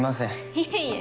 いえいえ。